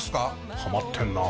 ハマってんなあ。